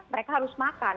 mereka harus makan